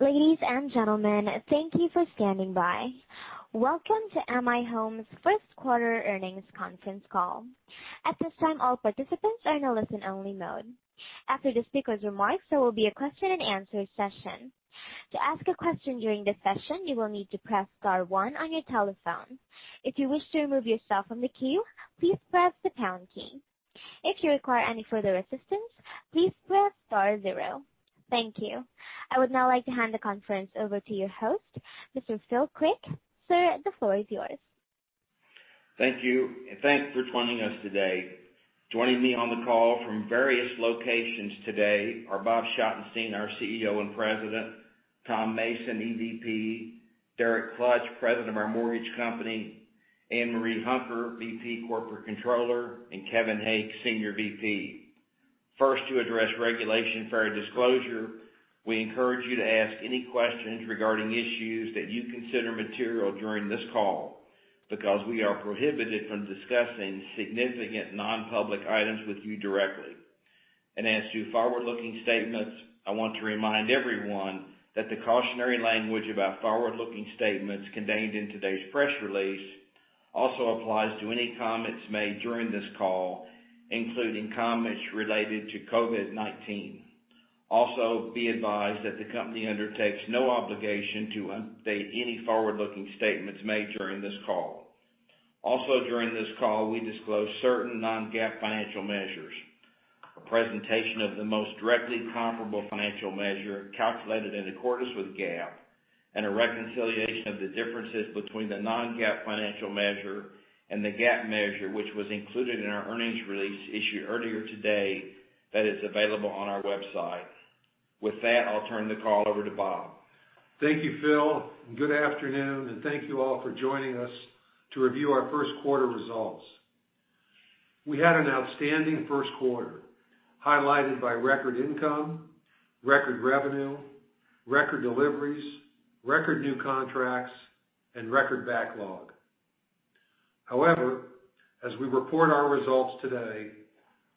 Ladies and gentlemen, thank you for standing by. Welcome to M/I Homes' first quarter earnings conference call. At this time, all participants are in a listen-only mode. After the speakers' remarks, there will be a question-and-answer session. To ask a question during the session, you will need to press star one on your telephone. If you wish to remove yourself from the queue, please press the pound key. If you require any further assistance, please press star zero. Thank you. I would now like to hand the conference over to your host, Mr. Phil Creek. Sir, the floor is yours. Thank you, and thanks for joining us today. Joining me on the call from various locations today are Bob Schottenstein, our CEO and President, Tom Mason, EVP, Derek Klutch, President of our mortgage company, Anne Marie Hunker, VP Corporate Controller, and Kevin Haake, Senior VP. First, to address regulation fair disclosure, we encourage you to ask any questions regarding issues that you consider material during this call because we are prohibited from discussing significant non-public items with you directly. As to forward-looking statements, I want to remind everyone that the cautionary language about forward-looking statements contained in today's press release also applies to any comments made during this call, including comments related to COVID-19. Be advised that the company undertakes no obligation to update any forward-looking statements made during this call. During this call, we disclose certain non-GAAP financial measures. A presentation of the most directly comparable financial measure calculated in accordance with GAAP and a reconciliation of the differences between the non-GAAP financial measure and the GAAP measure, which was included in our earnings release issued earlier today, that is available on our website. With that, I'll turn the call over to Bob. Thank you, Phil, and good afternoon, and thank you all for joining us to review our first quarter results. We had an outstanding first quarter highlighted by record income, record revenue, record deliveries, record new contracts, and record backlog. However, as we report our results today,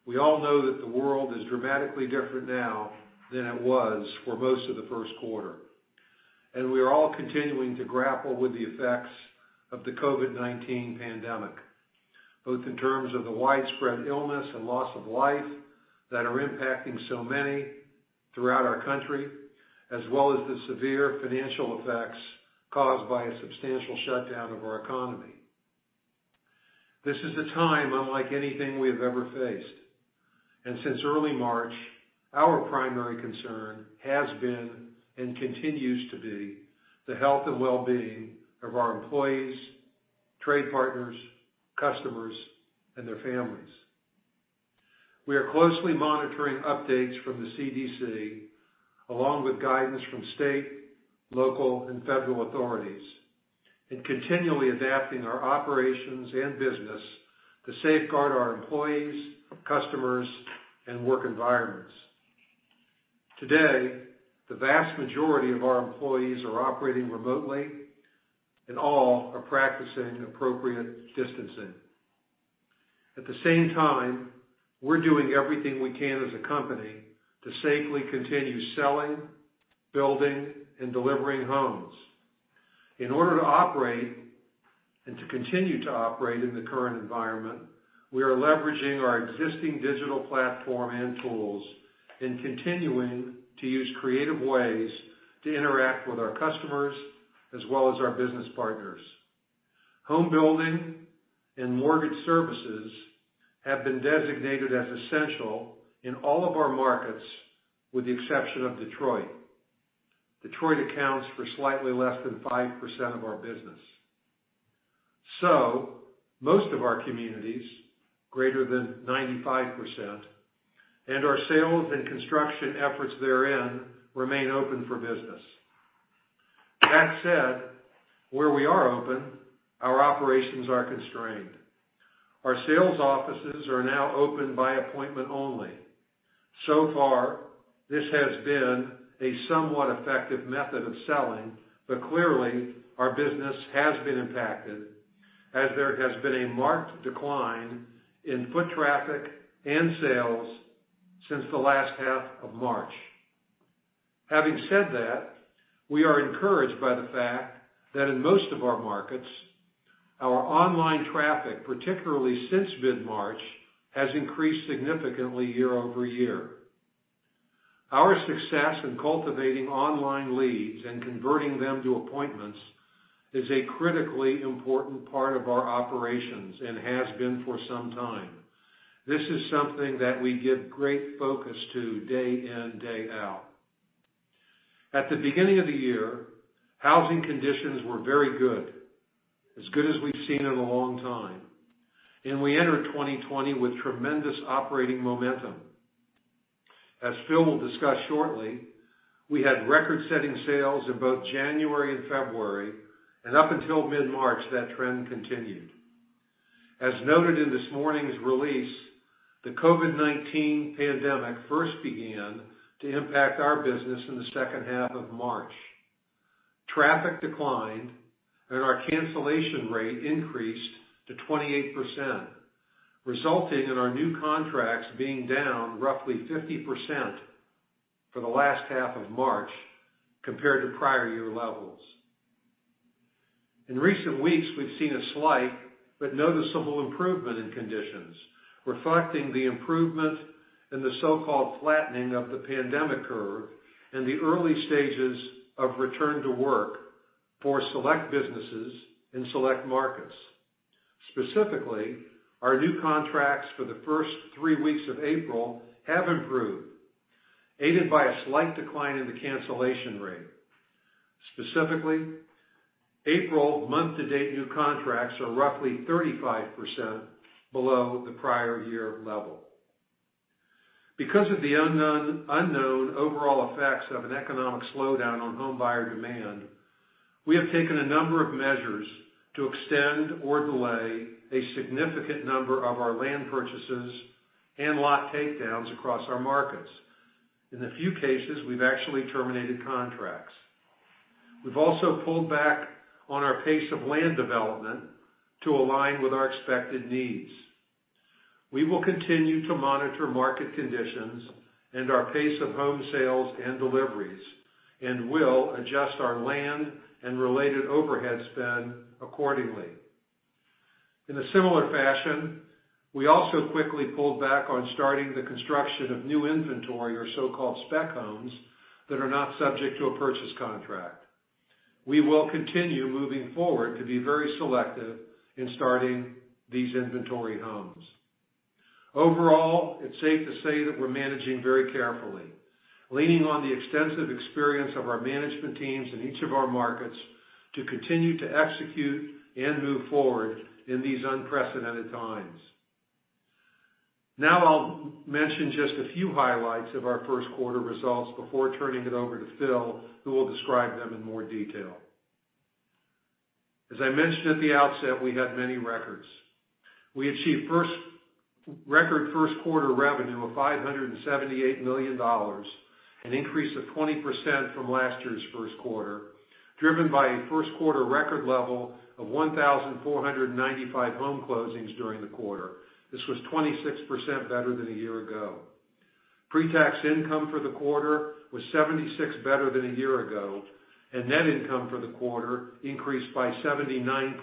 we all know that the world is dramatically different now than it was for most of the first quarter, and we are all continuing to grapple with the effects of the COVID-19 pandemic, both in terms of the widespread illness and loss of life that are impacting so many throughout our country, as well as the severe financial effects caused by a substantial shutdown of our economy. This is a time unlike anything we have ever faced, since early March, our primary concern has been and continues to be the health and well-being of our employees, trade partners, customers, and their families. We are closely monitoring updates from the CDC, along with guidance from state, local, and federal authorities, continually adapting our operations and business to safeguard our employees, customers, and work environments. Today, the vast majority of our employees are operating remotely, all are practicing appropriate distancing. At the same time, we're doing everything we can as a company to safely continue selling, building, and delivering homes. In order to operate and to continue to operate in the current environment, we are leveraging our existing digital platform and tools continuing to use creative ways to interact with our customers as well as our business partners. Home building and mortgage services have been designated as essential in all of our markets, with the exception of Detroit. Detroit accounts for slightly less than 5% of our business. Most of our communities, greater than 95%, our sales and construction efforts therein remain open for business. That said, where we are open, our operations are constrained. Our sales offices are now open by appointment only. So far, this has been a somewhat effective method of selling, clearly, our business has been impacted as there has been a marked decline in foot traffic and sales since the last half of March. Having said that, we are encouraged by the fact that in most of our markets, our online traffic, particularly since mid-March, has increased significantly year-over-year. Our success in cultivating online leads and converting them to appointments is a critically important part of our operations has been for some time. This is something that we give great focus to day in, day out. At the beginning of the year, housing conditions were very good, as good as we've seen in a long time, we entered 2020 with tremendous operating momentum. As Phil will discuss shortly, we had record-setting sales in both January and February, up until mid-March, that trend continued. As noted in this morning's release, the COVID-19 pandemic first began to impact our business in the second half of March. Traffic declined, and our cancellation rate increased to 28%, resulting in our new contracts being down roughly 50% for the last half of March compared to prior-year levels. In recent weeks, we've seen a slight but noticeable improvement in conditions, reflecting the improvement in the so-called flattening of the pandemic curve and the early stages of return to work for select businesses in select markets. Specifically, our new contracts for the first three weeks of April have improved, aided by a slight decline in the cancellation rate. Specifically, April month-to-date new contracts are roughly 35% below the prior-year level. Because of the unknown overall effects of an economic slowdown on home buyer demand, we have taken a number of measures to extend or delay a significant number of our land purchases and lot takedowns across our markets. In a few cases, we've actually terminated contracts. We've also pulled back on our pace of land development to align with our expected needs. We will continue to monitor market conditions and our pace of home sales and deliveries, will adjust our land and related overhead spend accordingly. In a similar fashion, we also quickly pulled back on starting the construction of new inventory or so-called spec homes that are not subject to a purchase contract. We will continue moving forward to be very selective in starting these inventory homes. Overall, it's safe to say that we're managing very carefully, leaning on the extensive experience of our management teams in each of our markets to continue to execute and move forward in these unprecedented times. I'll mention just a few highlights of our first quarter results before turning it over to Phil, who will describe them in more detail. As I mentioned at the outset, we had many records. We achieved record first quarter revenue of $578 million, an increase of 20% from last year's first quarter, driven by a first quarter record level of 1,495 home closings during the quarter. This was 26% better than a year ago. Pre-tax income for the quarter was 76% better than a year ago, and net income for the quarter increased by 79%.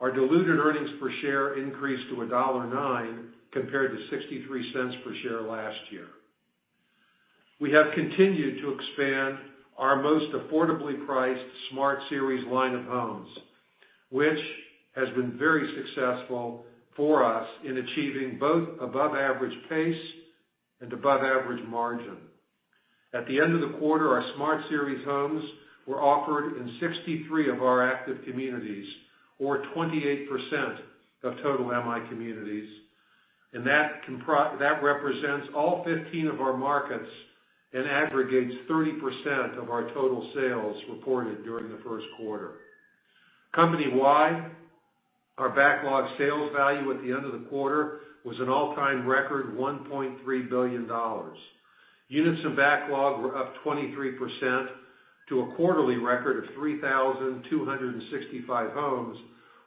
Our diluted earnings per share increased to $1.09, compared to $0.63 per share last year. We have continued to expand our most affordably priced Smart Series line of homes, which has been very successful for us in achieving both above average pace and above average margin. At the end of the quarter, our Smart Series homes were offered in 63 of our active communities, or 28% of total M/I communities, and that represents all 15 of our markets and aggregates 30% of our total sales reported during the first quarter. Companywide, our backlog sales value at the end of the quarter was an all-time record $1.3 billion. Units in backlog were up 23% to a quarterly record of 3,265 homes,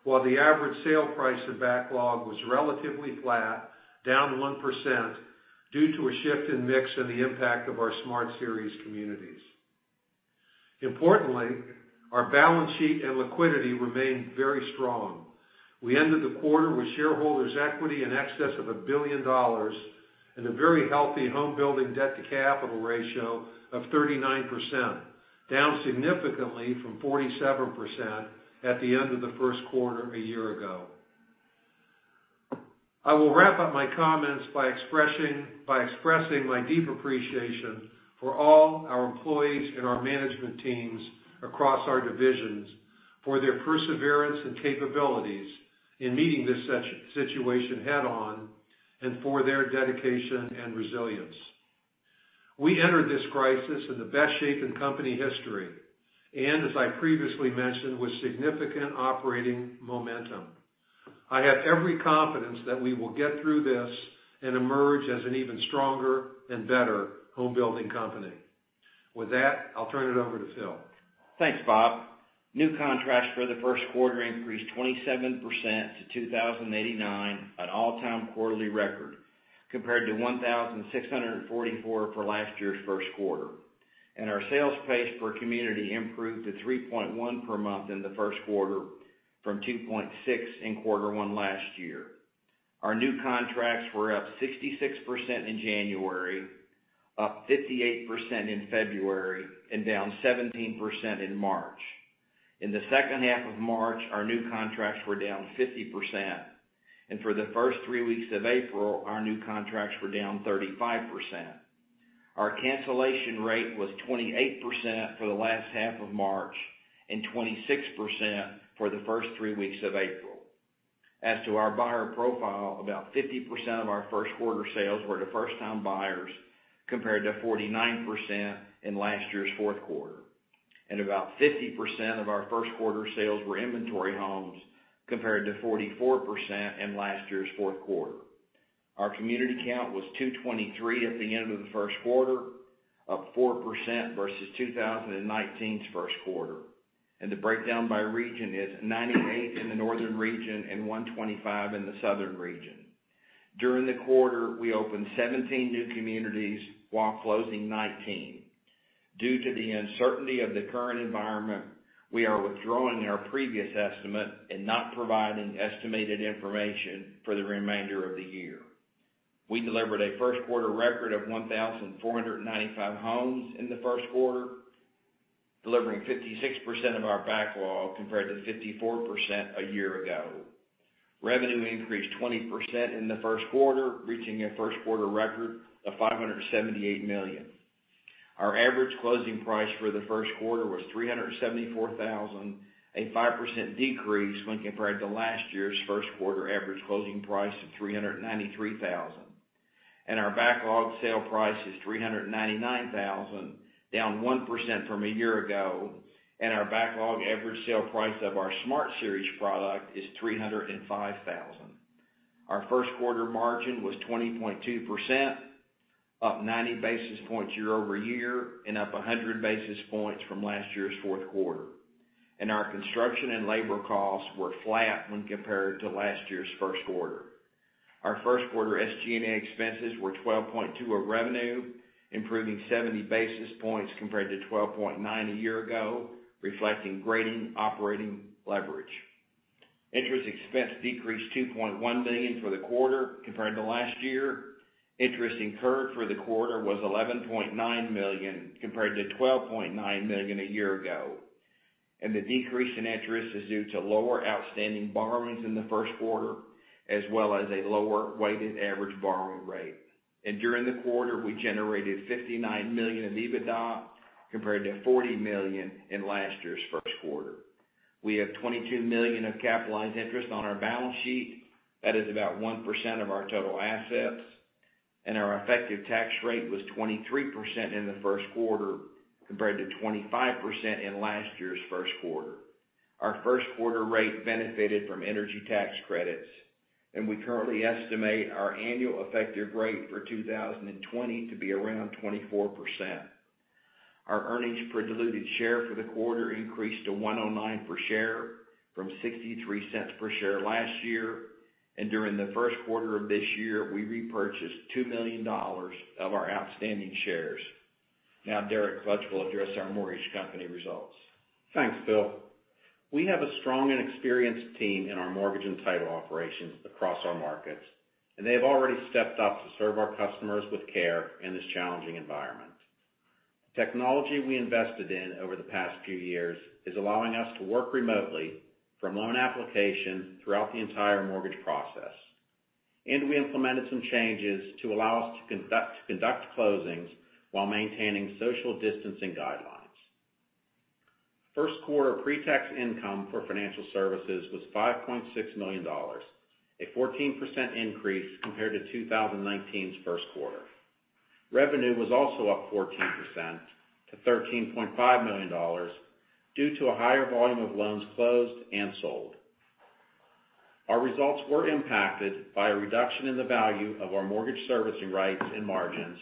while the average sale price of backlog was relatively flat, down 1%, due to a shift in mix and the impact of our Smart Series communities. Importantly, our balance sheet and liquidity remained very strong. We ended the quarter with shareholders' equity in excess of $1 billion, and a very healthy home building debt-to-capital ratio of 39%, down significantly from 47% at the end of the first quarter a year ago. I will wrap up my comments by expressing my deep appreciation for all our employees and our management teams across our divisions for their perseverance and capabilities in meeting this situation head on and for their dedication and resilience. We entered this crisis in the best shape in company history, and as I previously mentioned, with significant operating momentum. I have every confidence that we will get through this and emerge as an even stronger and better home building company. With that, I'll turn it over to Phil. Thanks, Bob. New contracts for the first quarter increased 27% to 2,089, an all-time quarterly record, compared to 1,644 for last year's first quarter. Our sales pace per community improved to 3.1 per month in the first quarter from 2.6 in quarter one last year. Our new contracts were up 66% in January, up 58% in February, and down 17% in March. In the second half of March, our new contracts were down 50%, and for the first three weeks of April, our new contracts were down 35%. Our cancellation rate was 28% for the last half of March and 26% for the first three weeks of April. As to our buyer profile, about 50% of our first quarter sales were to first-time buyers compared to 49% in last year's fourth quarter. About 50% of our first quarter sales were inventory homes compared to 44% in last year's fourth quarter. Our community count was 223 at the end of the first quarter, up 4% versus 2019's first quarter. The breakdown by region is 98 in the northern region and 125 in the southern region. During the quarter, we opened 17 new communities while closing 19. Due to the uncertainty of the current environment, we are withdrawing our previous estimate and not providing estimated information for the remainder of the year. We delivered a first quarter record of 1,495 homes in the first quarter, delivering 56% of our backlog, compared to 54% a year ago. Revenue increased 20% in the first quarter, reaching a first quarter record of $578 million. Our average closing price for the first quarter was $374,000, a 5% decrease when compared to last year's first quarter average closing price of $393,000. Our backlog sale price is $399,000, down 1% from a year ago, our backlog average sale price of our Smart Series product is $305,000. Our first quarter margin was 20.2%, up 90 basis points year-over-year, up 100 basis points from last year's fourth quarter. Our construction and labor costs were flat when compared to last year's first quarter. Our first quarter SG&A expenses were 12.2% of revenue, improving 70 basis points compared to 12.9% a year ago, reflecting grading operating leverage. Interest expense decreased $2.1 million for the quarter compared to last year. Interest incurred for the quarter was $11.9 million, compared to $12.9 million a year ago, the decrease in interest is due to lower outstanding borrowings in the first quarter, as well as a lower weighted average borrowing rate. During the quarter, we generated $59 million in EBITDA, compared to $40 million in last year's first quarter. We have $22 million of capitalized interest on our balance sheet. That is about 1% of our total assets. Our effective tax rate was 23% in the first quarter, compared to 25% in last year's first quarter. Our first quarter rate benefited from energy tax credits, and we currently estimate our annual effective rate for 2020 to be around 24%. Our earnings per diluted share for the quarter increased to $1.09 per share from $0.63 per share last year. During the first quarter of this year, we repurchased $2 million of our outstanding shares. Now Derek Klutch will address our mortgage company results. Thanks, Phil. We have a strong and experienced team in our mortgage and title operations across our markets, and they have already stepped up to serve our customers with care in this challenging environment. Technology we invested in over the past few years is allowing us to work remotely from loan application throughout the entire mortgage process. We implemented some changes to allow us to conduct closings while maintaining social distancing guidelines. First quarter pre-tax income for financial services was $5.6 million, a 14% increase compared to 2019's first quarter. Revenue was also up 14% to $13.5 million, due to a higher volume of loans closed and sold. Our results were impacted by a reduction in the value of our mortgage servicing rights and margins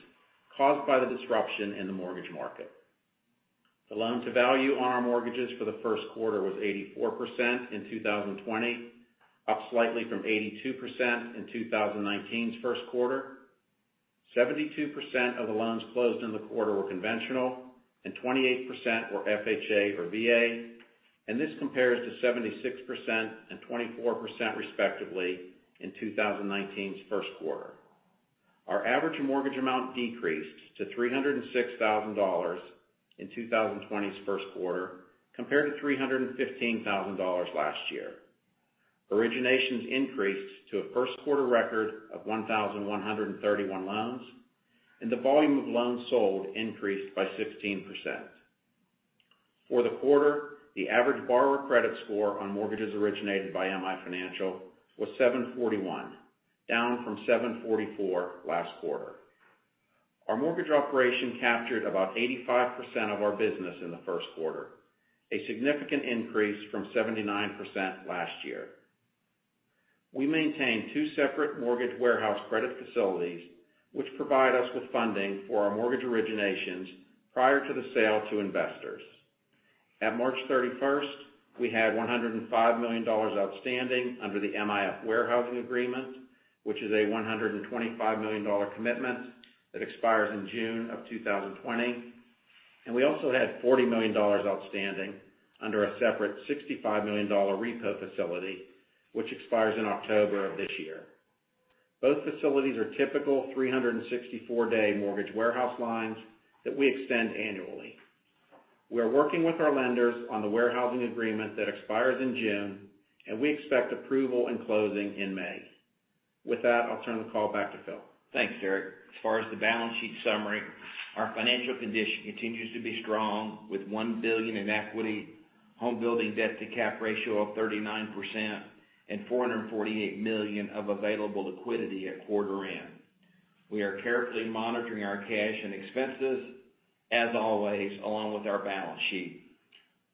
caused by the disruption in the mortgage market. The loan to value on our mortgages for the first quarter was 84% in 2020, up slightly from 82% in 2019's first quarter. 72% of the loans closed in the quarter were conventional, and 28% were FHA or VA. This compares to 76% and 24%, respectively, in 2019's first quarter. Our average mortgage amount decreased to $306,000 in 2020's first quarter, compared to $315,000 last year. Originations increased to a first quarter record of 1,131 loans, and the volume of loans sold increased by 16%. For the quarter, the average borrower credit score on mortgages originated by M/I Financial was 741, down from 744 last quarter. Our mortgage operation captured about 85% of our business in the first quarter, a significant increase from 79% last year. We maintain two separate mortgage warehouse credit facilities, which provide us with funding for our mortgage originations prior to the sale to investors. At March 31st, we had $105 million outstanding under the MIF warehousing agreement, which is a $125 million commitment that expires in June of 2020. We also had $40 million outstanding under a separate $65 million repo facility, which expires in October of this year. Both facilities are typical 364-day mortgage warehouse lines that we extend annually. We are working with our lenders on the warehousing agreement that expires in June, and we expect approval and closing in May. With that, I'll turn the call back to Phil. Thanks, Derek. As far as the balance sheet summary, our financial condition continues to be strong with $1 billion in equity, home building debt to cap ratio of 39%, and $448 million of available liquidity at quarter end. We are carefully monitoring our cash and expenses, as always, along with our balance sheet.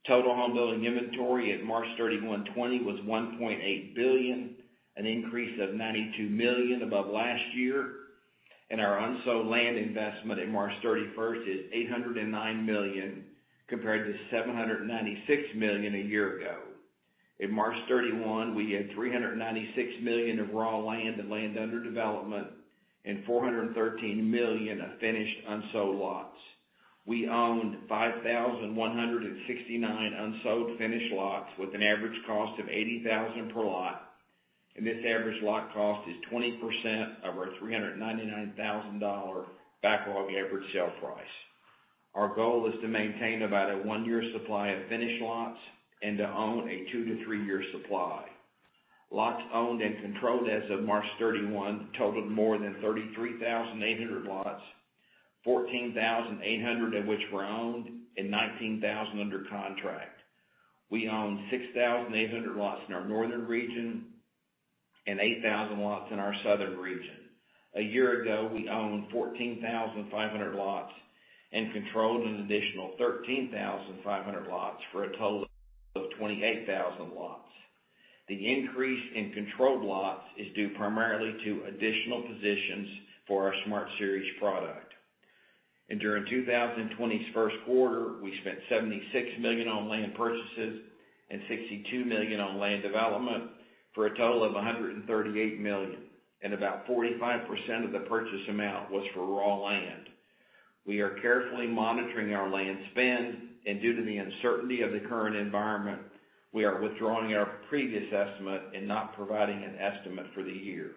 Total homebuilding inventory at March 31, 2020 was $1.8 billion, an increase of $92 million above last year, and our unsold land investment at March 31st is $809 million, compared to $796 million a year ago. In March 31, we had $396 million of raw land and land under development and $413 million of finished unsold lots. We owned 5,169 unsold finished lots with an average cost of $80,000 per lot, and this average lot cost is 20% of our $399,000 backlog average sale price. Our goal is to maintain about a one-year supply of finished lots and to own a two to three-year supply. Lots owned and controlled as of March 31 totaled more than 33,800 lots, 14,800 of which were owned and 19,000 under contract. We own 6,800 lots in our northern region and 8,000 lots in our southern region. A year ago, we owned 14,500 lots and controlled an additional 13,500 lots for a total of 28,000 lots. The increase in controlled lots is due primarily to additional positions for our Smart Series product. During 2020's first quarter, we spent $76 million on land purchases and $62 million on land development for a total of $138 million, and about 45% of the purchase amount was for raw land. We are carefully monitoring our land spend, and due to the uncertainty of the current environment, we are withdrawing our previous estimate and not providing an estimate for the year.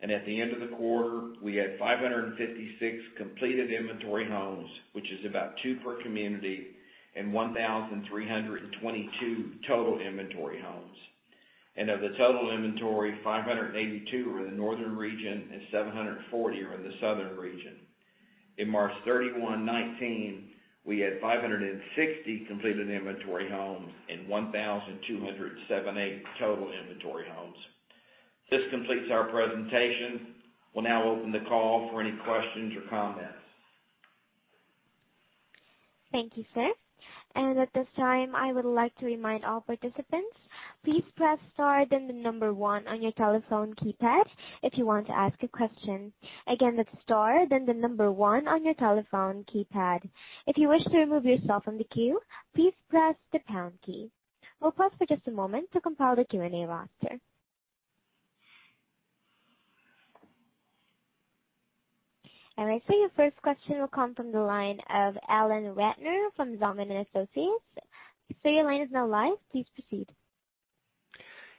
At the end of the quarter, we had 556 completed inventory homes, which is about two per community, and 1,322 total inventory homes. Of the total inventory, 582 are in the northern region and 740 are in the southern region. In March 31, 2019, we had 560 completed inventory homes and 1,278 total inventory homes. This completes our presentation. We will now open the call for any questions or comments. Thank you, sir. At this time, I would like to remind all participants, please press star then the number one on your telephone keypad if you want to ask a question. Again, that is star then the number one on your telephone keypad. If you wish to remove yourself from the queue, please press the pound key. We will pause for just a moment to compile the Q&A roster. I see your first question will come from the line of Alan Ratner from Zelman & Associates. Sir, your line is now live. Please proceed.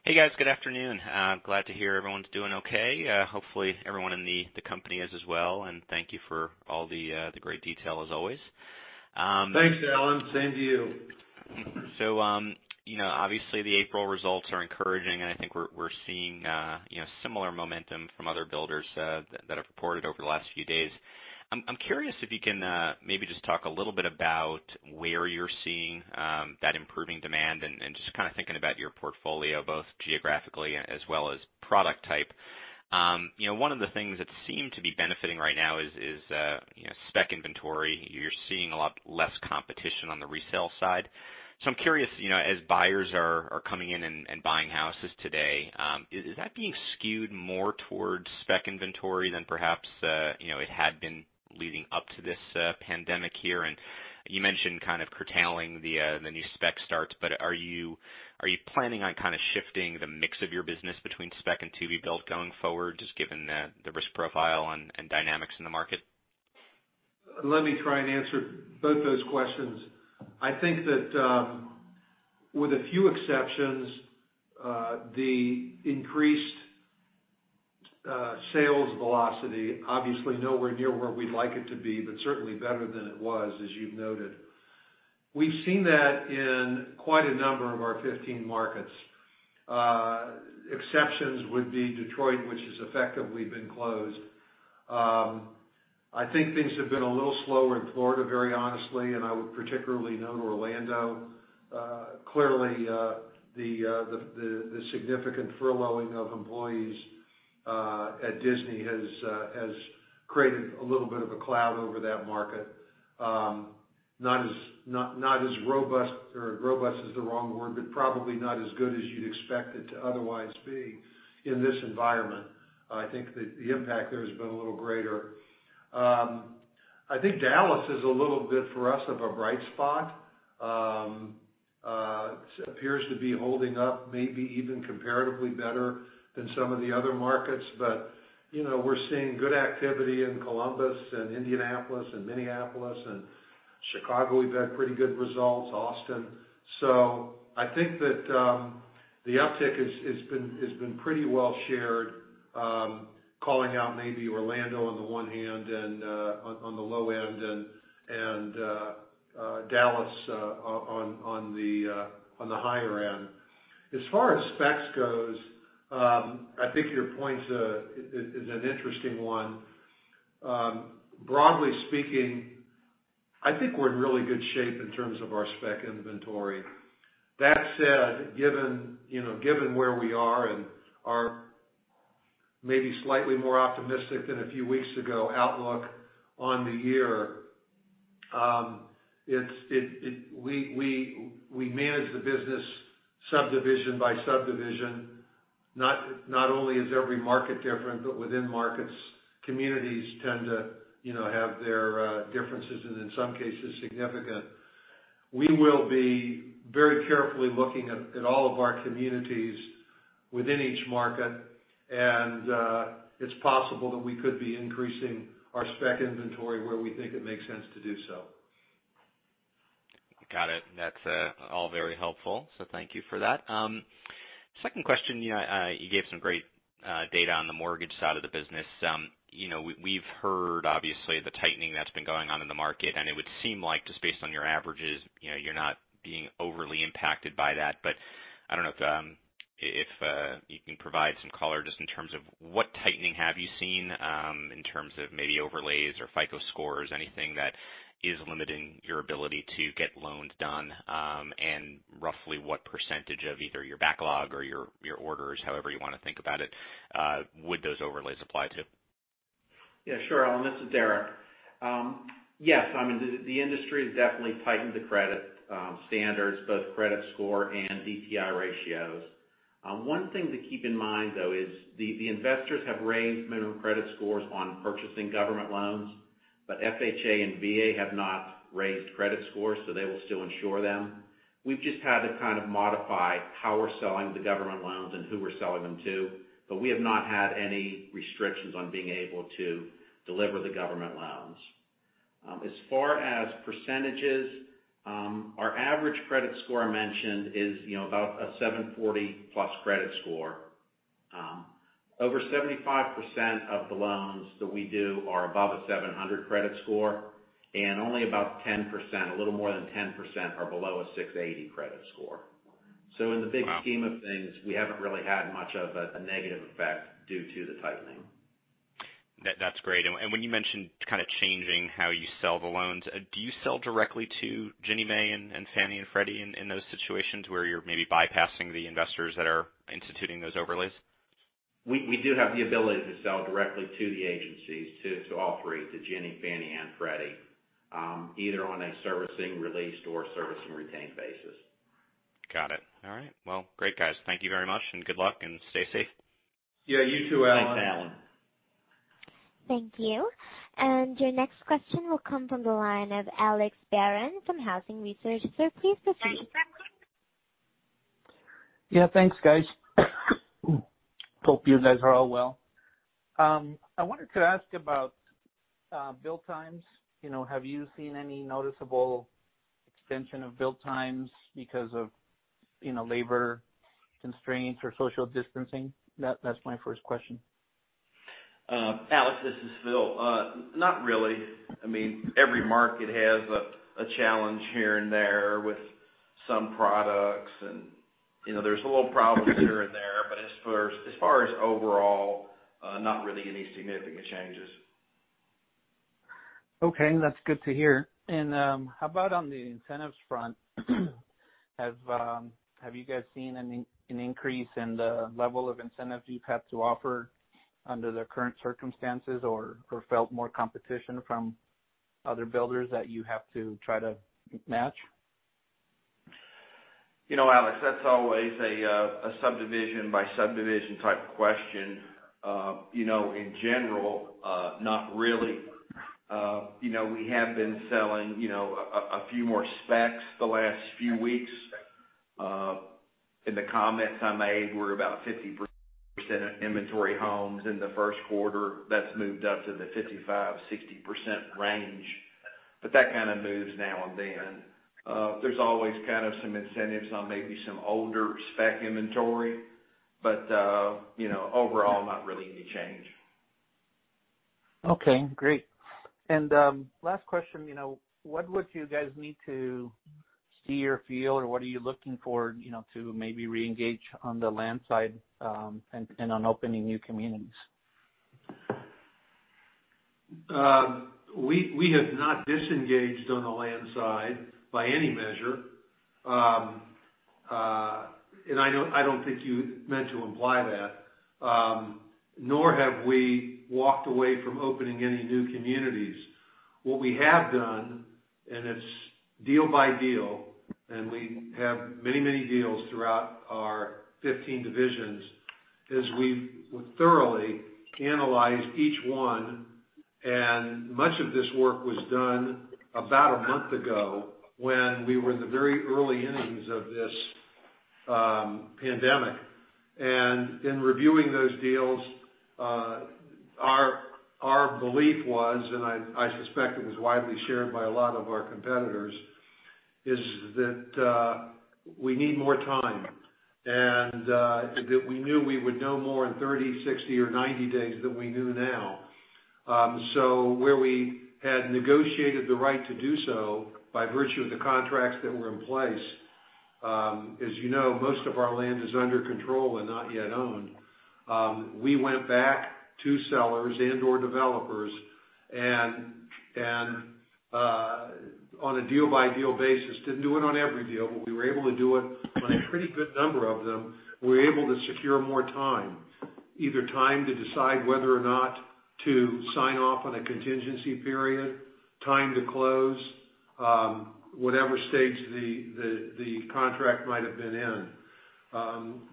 Hey, guys. Good afternoon. Glad to hear everyone's doing okay. Hopefully, everyone in the company is as well, and thank you for all the great detail as always. Thanks, Alan. Same to you. Obviously, the April results are encouraging, and I think we're seeing similar momentum from other builders that have reported over the last few days. I'm curious if you can maybe just talk a little bit about where you're seeing that improving demand and just kind of thinking about your portfolio, both geographically as well as product type. One of the things that seem to be benefiting right now is spec inventory. You're seeing a lot less competition on the resale side. I'm curious, as buyers are coming in and buying houses today, is that being skewed more towards spec inventory than perhaps it had been leading up to this pandemic here? You mentioned kind of curtailing the new spec starts, but are you planning on kind of shifting the mix of your business between spec and to-be built going forward, just given the risk profile and dynamics in the market? Let me try and answer both those questions. I think that, with a few exceptions, the increased sales velocity, obviously nowhere near where we'd like it to be, but certainly better than it was, as you've noted. We've seen that in quite a number of our 15 markets. Exceptions would be Detroit, which has effectively been closed. I think things have been a little slower in Florida, very honestly, and I would particularly note Orlando. Clearly, the significant furloughing of employees at Disney has created a little bit of a cloud over that market. Not as robust, or robust is the wrong word, but probably not as good as you'd expect it to otherwise be in this environment. I think that the impact there has been a little greater. I think Dallas is a little bit, for us, of a bright spot. Appears to be holding up maybe even comparatively better than some of the other markets. We're seeing good activity in Columbus and Indianapolis and Minneapolis and Chicago, we've had pretty good results, Austin. I think that the uptick has been pretty well shared, calling out maybe Orlando on the low end and Dallas on the higher end. As far as specs goes, I think your point is an interesting one. Broadly speaking, I think we're in really good shape in terms of our spec inventory. That said, given where we are and our maybe slightly more optimistic than a few weeks ago outlook on the year, we manage the business subdivision by subdivision. Not only is every market different, but within markets, communities tend to have their differences and in some cases, significant. We will be very carefully looking at all of our communities within each market, and it's possible that we could be increasing our spec inventory where we think it makes sense to do so. Got it. That's all very helpful, so thank you for that. Second question. You gave some great data on the mortgage side of the business. We've heard, obviously, the tightening that's been going on in the market, and it would seem like just based on your averages, you're not being overly impacted by that. I don't know if you can provide some color just in terms of what tightening have you seen, in terms of maybe overlays or FICO scores, anything that is limiting your ability to get loans done, and roughly what percentage of either your backlog or your orders, however you want to think about it, would those overlays apply to? Yeah, sure, Alan. This is Derek. Yes, the industry has definitely tightened the credit standards, both credit score and DTI ratios. One thing to keep in mind, though, is the investors have raised minimum credit scores on purchasing government loans, but FHA and VA have not raised credit scores, so they will still insure them. We've just had to kind of modify how we're selling the government loans and who we're selling them to, but we have not had any restrictions on being able to deliver the government loans. As far as percentages, our average credit score I mentioned is about a 740-plus credit score. Over 75% of the loans that we do are above a 700 credit score, and only about 10%, a little more than 10%, are below a 680 credit score. In the big- Wow scheme of things, we haven't really had much of a negative effect due to the tightening. That's great. When you mentioned kind of changing how you sell the loans, do you sell directly to Ginnie Mae and Fannie and Freddie in those situations where you're maybe bypassing the investors that are instituting those overlays? We do have the ability to sell directly to the agencies, to all three, to Ginnie, Fannie, and Freddie, either on a servicing released or servicing retained basis. Got it. All right. Great guys. Thank you very much and good luck and stay safe. Yeah, you too, Alan. Thanks, Alan. Thank you. Your next question will come from the line of Alex Barron from Housing Research. Sir, please proceed. Yeah. Thanks, guys. Hope you guys are all well. I wanted to ask about build times. Have you seen any noticeable extension of build times because of labor constraints or social distancing? That's my first question. Alex, this is Phil. Not really. Every market has a challenge here and there with some products and there's little problems here and there. As far as overall, not really any significant changes. Okay. That's good to hear. How about on the incentives front? Have you guys seen an increase in the level of incentives you've had to offer under the current circumstances or felt more competition from other builders that you have to try to match? Alex, that's always a subdivision-by-subdivision type of question. In general, not really. We have been selling a few more specs the last few weeks. In the comments I made, we're about 50% of inventory homes in the first quarter. That's moved up to the 55%-60% range, but that kind of moves now and then. There's always kind of some incentives on maybe some older spec inventory. Overall, not really any change. Okay. Great. Last question. What would you guys need to see or feel, and what are you looking for to maybe reengage on the land side, and on opening new communities? We have not disengaged on the land side by any measure. I don't think you meant to imply that. Nor have we walked away from opening any new communities. What we have done, and it's deal by deal, and we have many deals throughout our 15 divisions, is we've thoroughly analyzed each one. Much of this work was done about a month ago when we were in the very early innings of this pandemic. In reviewing those deals, our belief was, and I suspect it was widely shared by a lot of our competitors, is that we need more time, and that we knew we would know more in 30, 60, or 90 days than we knew now. Where we had negotiated the right to do so by virtue of the contracts that were in place. As you know, most of our land is under control and not yet owned. We went back to sellers and/or developers, and on a deal-by-deal basis, didn't do it on every deal, but we were able to do it on a pretty good number of them. We were able to secure more time, either time to decide whether or not to sign off on a contingency period, time to close, whatever stage the contract might have been in.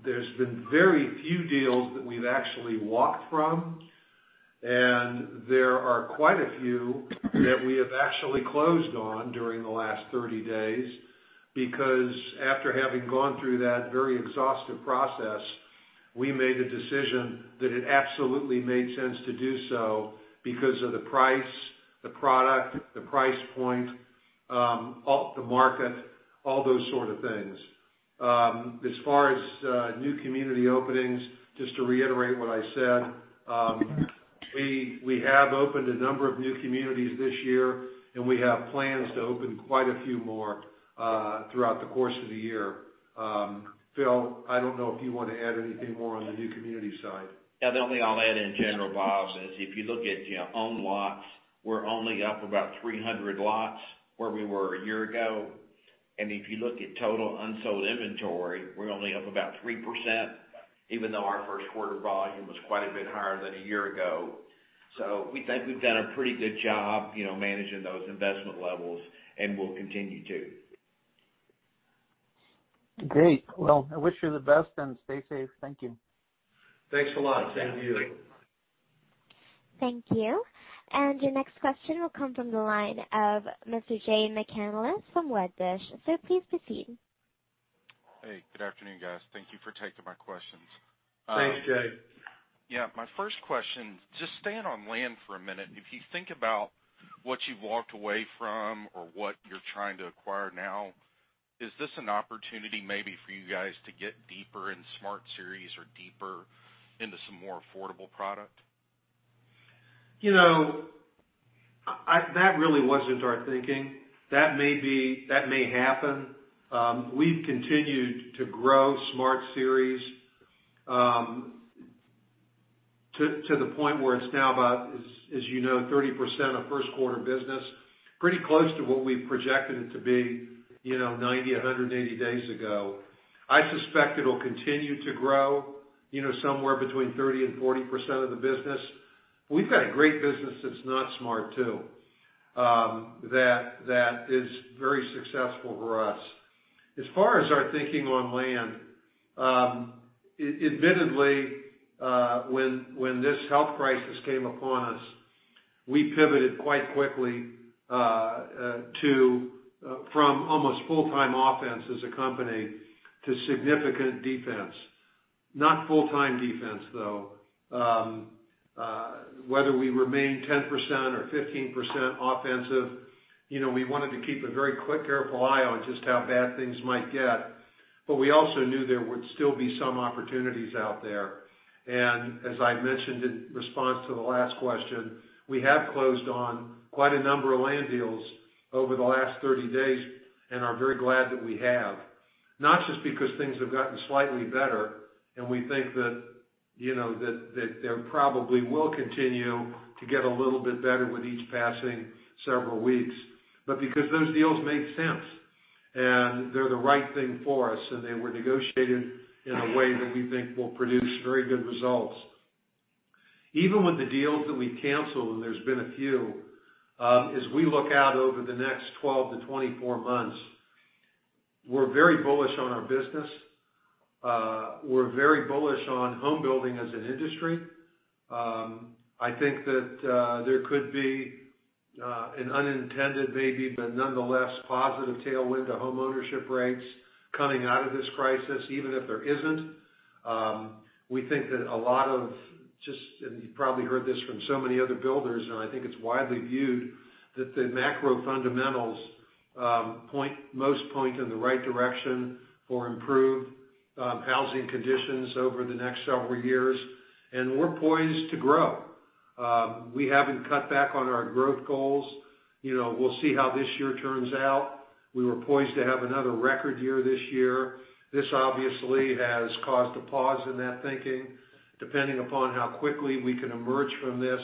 There's been very few deals that we've actually walked from, and there are quite a few that we have actually closed on during the last 30 days, because after having gone through that very exhaustive process, we made a decision that it absolutely made sense to do so because of the price, the product, the price point, the market, all those sort of things. As far as new community openings, just to reiterate what I said, we have opened a number of new communities this year, and we have plans to open quite a few more throughout the course of the year. Phil, I don't know if you want to add anything more on the new community side. Yeah, the only thing I'll add in general, Bob, is if you look at owned lots, we're only up about 300 lots where we were a year ago. If you look at total unsold inventory, we're only up about 3%, even though our first quarter volume was quite a bit higher than a year ago. We think we've done a pretty good job managing those investment levels, and will continue to. Great. Well, I wish you the best, and stay safe. Thank you. Thanks a lot. Same to you. Thank you. Your next question will come from the line of Mr. Jay McCanless from Wedbush. Please proceed. Hey, good afternoon, guys. Thank you for taking my questions. Thanks, Jay. Yeah. My first question, just staying on land for a minute. If you think about what you've walked away from or what you're trying to acquire now, is this an opportunity maybe for you guys to get deeper in Smart Series or deeper into some more affordable product? That really wasn't our thinking. That may happen. We've continued to grow Smart Series to the point where it's now about, as you know, 30% of first quarter business, pretty close to what we projected it to be 90, 180 days ago. I suspect it'll continue to grow somewhere between 30%-40% of the business. We've got a great business that's not Smart too, that is very successful for us. As far as our thinking on land, admittedly, when this health crisis came upon us, we pivoted quite quickly from almost full-time offense as a company to significant defense. Not full-time defense, though. Whether we remain 10%-15% offensive, we wanted to keep a very quick, careful eye on just how bad things might get. We also knew there would still be some opportunities out there. As I mentioned in response to the last question, we have closed on quite a number of land deals over the last 30 days and are very glad that we have. Not just because things have gotten slightly better, and we think that they probably will continue to get a little bit better with each passing several weeks, but because those deals make sense, and they're the right thing for us, and they were negotiated in a way that we think will produce very good results. Even with the deals that we canceled, and there's been a few, as we look out over the next 12-24 months, we're very bullish on our business. We're very bullish on home building as an industry. I think that there could be an unintended, maybe, but nonetheless positive tailwind to home ownership rates coming out of this crisis. Even if there isn't, we think that a lot of just, and you've probably heard this from so many other builders, and I think it's widely viewed that the macro fundamentals most point in the right direction for improved housing conditions over the next several years, and we're poised to grow. We haven't cut back on our growth goals. We'll see how this year turns out. We were poised to have another record year this year. This obviously has caused a pause in that thinking. Depending upon how quickly we can emerge from this,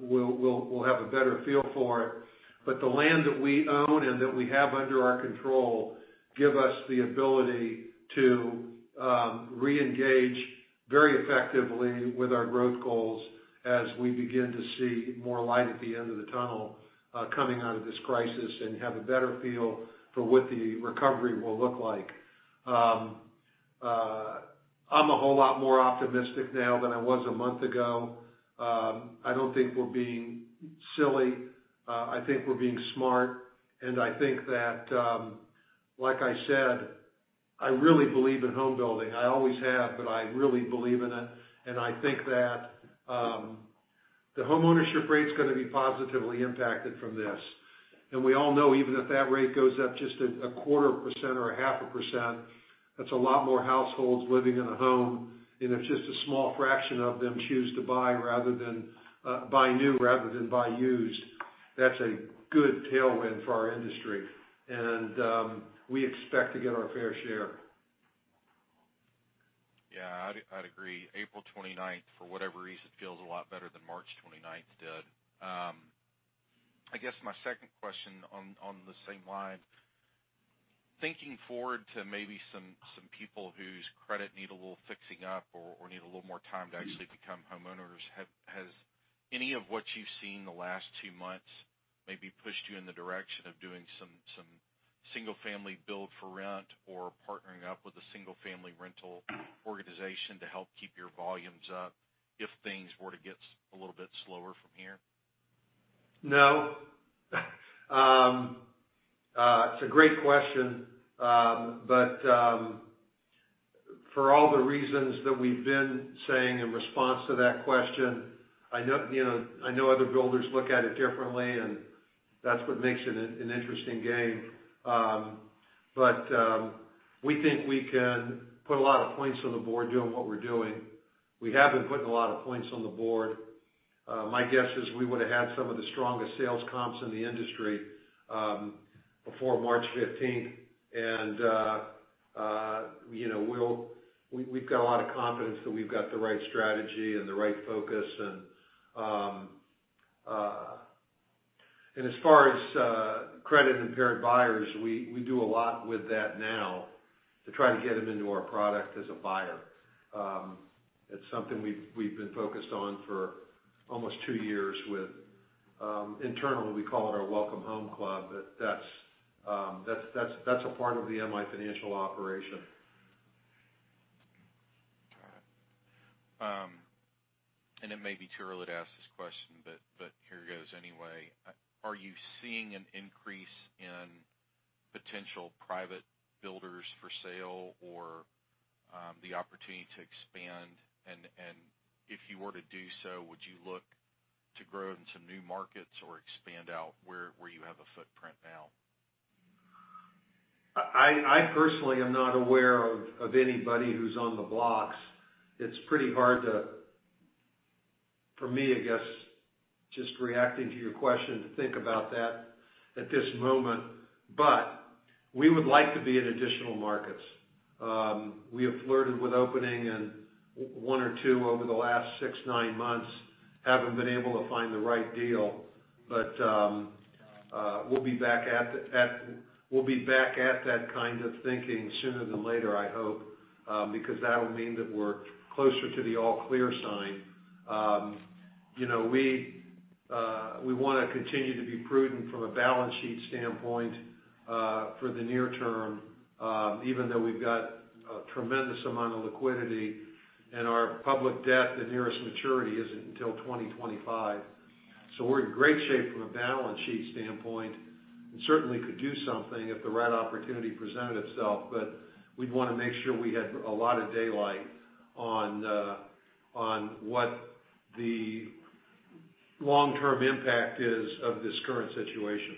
we'll have a better feel for it. The land that we own and that we have under our control give us the ability to reengage very effectively with our growth goals as we begin to see more light at the end of the tunnel coming out of this crisis and have a better feel for what the recovery will look like. I'm a whole lot more optimistic now than I was a month ago. I don't think we're being silly. I think we're being smart, and I think that, like I said, I really believe in home building. I always have, but I really believe in it, and I think that the home ownership rate's going to be positively impacted from this. We all know, even if that rate goes up just a quarter % or a half a %, that's a lot more households living in a home, and if just a small fraction of them choose to buy new rather than buy used That's a good tailwind for our industry, and we expect to get our fair share. Yeah, I'd agree. April 29th, for whatever reason, feels a lot better than March 29th did. I guess my second question on the same line, thinking forward to maybe some people whose credit need a little fixing up or need a little more time to actually become homeowners, has any of what you've seen the last two months maybe pushed you in the direction of doing some single-family build for rent or partnering up with a single-family rental organization to help keep your volumes up if things were to get a little bit slower from here? No. It's a great question. For all the reasons that we've been saying in response to that question, I know other builders look at it differently. That's what makes it an interesting game. We think we can put a lot of points on the board doing what we're doing. We have been putting a lot of points on the board. My guess is we would've had some of the strongest sales comps in the industry before March 15th. We've got a lot of confidence that we've got the right strategy and the right focus. As far as credit-impaired buyers, we do a lot with that now to try to get them into our product as a buyer. It's something we've been focused on for almost two years. Internally, we call it our Welcome Home Club. That's a part of the M/I Financial operation. Got it. It may be too early to ask this question. Here goes anyway. Are you seeing an increase in potential private builders for sale or the opportunity to expand? If you were to do so, would you look to grow into new markets or expand out where you have a footprint now? I personally am not aware of anybody who's on the blocks. It's pretty hard for me, I guess, just reacting to your question, to think about that at this moment. We would like to be in additional markets. We have flirted with opening in one or two over the last six, nine months. Haven't been able to find the right deal. We'll be back at that kind of thinking sooner than later, I hope, because that'll mean that we're closer to the all clear sign. We want to continue to be prudent from a balance sheet standpoint for the near term, even though we've got a tremendous amount of liquidity and our public debt, the nearest maturity isn't until 2025. We're in great shape from a balance sheet standpoint and certainly could do something if the right opportunity presented itself. We'd want to make sure we had a lot of daylight on what the long-term impact is of this current situation.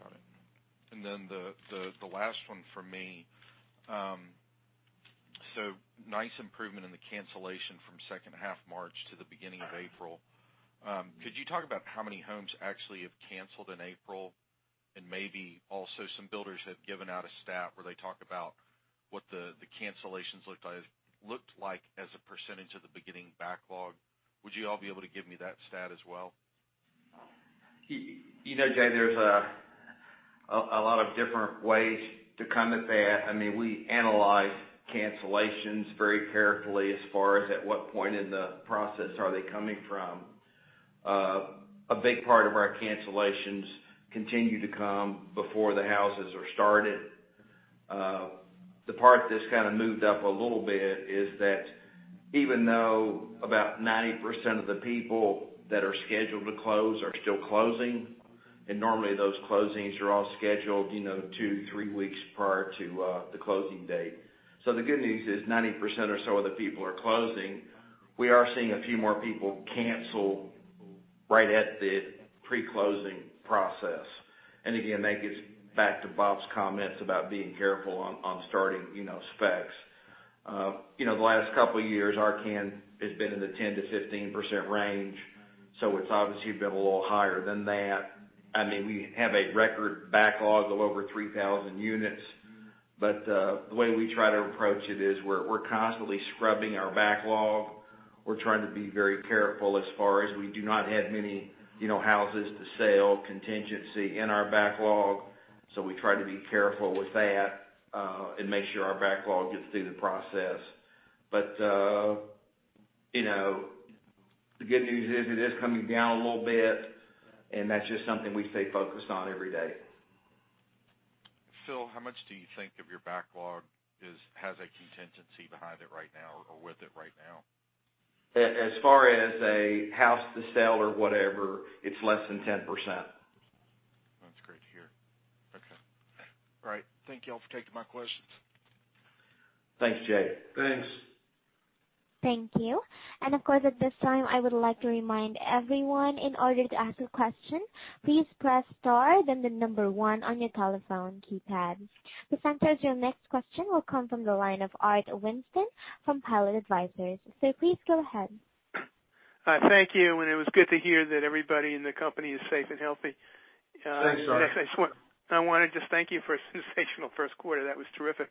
Got it. The last one from me. Nice improvement in the cancellation from second half March to the beginning of April. Could you talk about how many homes actually have canceled in April? Maybe also some builders have given out a stat where they talk about what the cancellations looked like as a % of the beginning backlog. Would you all be able to give me that stat as well? Jay, there's a lot of different ways to come at that. We analyze cancellations very carefully as far as at what point in the process are they coming from. A big part of our cancellations continue to come before the houses are started. The part that's kind of moved up a little bit is that even though about 90% of the people that are scheduled to close are still closing, normally those closings are all scheduled two to three weeks prior to the closing date. The good news is 90% or so of the people are closing. We are seeing a few more people cancel right at the pre-closing process. Again, that gets back to Bob's comments about being careful on starting specs. The last couple of years, our CAN has been in the 10%-15% range, it's obviously been a little higher than that. We have a record backlog of over 3,000 units. The way we try to approach it is we're constantly scrubbing our backlog. We're trying to be very careful as far as we do not have many houses to sell contingency in our backlog. We try to be careful with that and make sure our backlog gets through the process. The good news is it is coming down a little bit, that's just something we stay focused on every day. Phil, how much do you think of your backlog has a contingency behind it right now or with it right now? As far as a house to sell or whatever, it's less than 10%. That's great to hear. Okay. All right. Thank you all for taking my questions. Thanks, Jay. Thanks. Thank you. Of course, at this time, I would like to remind everyone in order to ask a question, please press star then the number 1 on your telephone keypad. The center of your next question will come from the line of Art Winston from Pilot Advisors. Please go ahead. Thank you. It was good to hear that everybody in the company is safe and healthy. Thanks, Art. I want to just thank you for a sensational first quarter. That was terrific.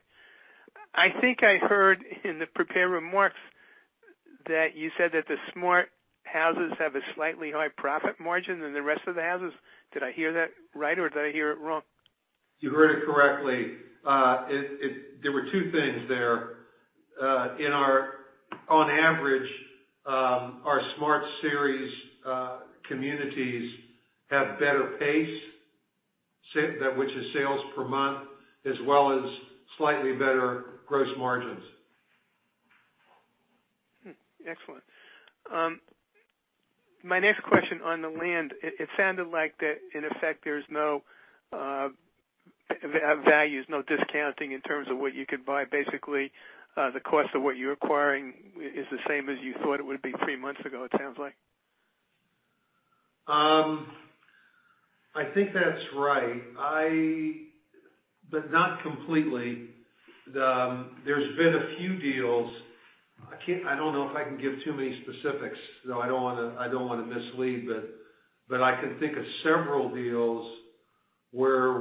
I think I heard in the prepared remarks that you said that the Smart Series have a slightly higher profit margin than the rest of the houses. Did I hear that right, or did I hear it wrong? You heard it correctly. There were two things there. On average, our Smart Series communities have better pace, which is sales per month, as well as slightly better gross margins. Excellent. My next question on the land. It sounded like that, in effect, there's no values, no discounting in terms of what you could buy. Basically, the cost of what you're acquiring is the same as you thought it would be three months ago, it sounds like. I think that's right, but not completely. There's been a few deals. I don't know if I can give too many specifics, though. I don't want to mislead, but I can think of several deals where,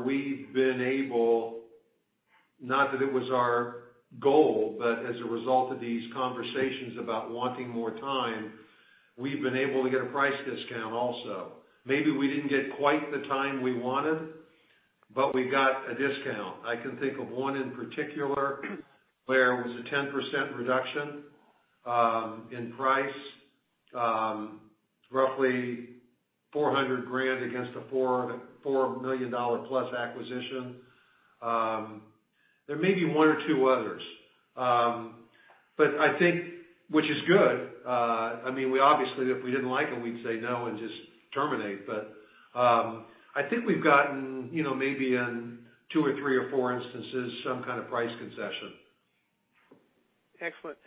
not that it was our goal, but as a result of these conversations about wanting more time, we've been able to get a price discount also. Maybe we didn't get quite the time we wanted, but we got a discount. I can think of one in particular where it was a 10% reduction in price, roughly $400,000 against a $4 million-plus acquisition. There may be one or two others. Which is good. Obviously, if we didn't like them, we'd say no and just terminate. I think we've gotten maybe in two or three or four instances, some kind of price concession. Excellent.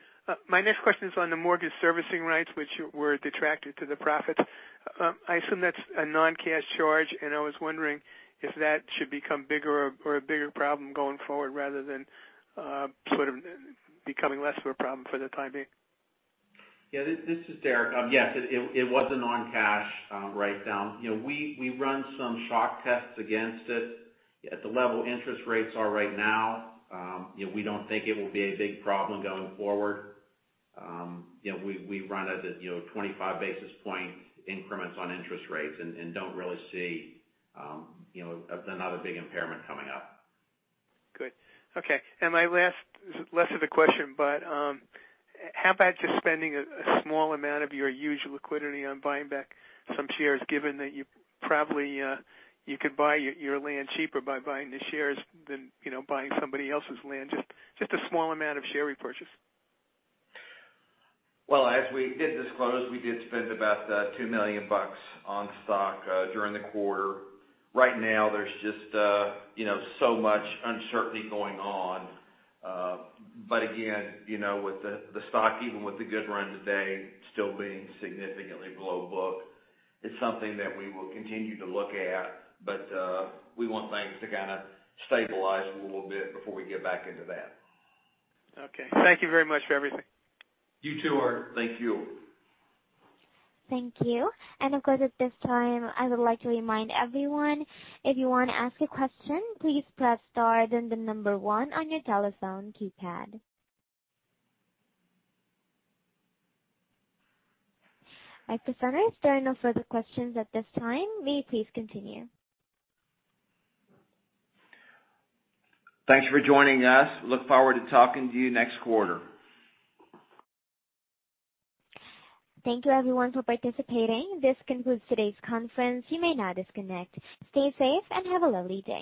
My next question is on the mortgage servicing rights which were detracted to the profit. I assume that's a non-cash charge. I was wondering if that should become bigger or a bigger problem going forward rather than sort of becoming less of a problem for the time being. Yeah, this is Derek. Yes, it was a non-cash write down. We ran some shock tests against it. At the level interest rates are right now, we don't think it will be a big problem going forward. We ran it at 25 basis point increments on interest rates. Don't really see another big impairment coming up. Good. Okay. My last is less of a question, but how about just spending a small amount of your huge liquidity on buying back some shares, given that probably, you could buy your land cheaper by buying the shares than buying somebody else's land? Just a small amount of share repurchase. Well, as we did disclose, we did spend about $2 million on stock during the quarter. Right now, there's just so much uncertainty going on. Again, with the stock, even with the good run today still being significantly below book, it's something that we will continue to look at. We want things to kind of stabilize a little bit before we get back into that. Okay. Thank you very much for everything. You too, Art. Thank you. Thank you. Of course, at this time, I would like to remind everyone, if you want to ask a question, please press star then the number one on your telephone keypad. There are no further questions at this time. May you please continue. Thanks for joining us. Look forward to talking to you next quarter. Thank you everyone for participating. This concludes today's conference. You may now disconnect. Stay safe and have a lovely day.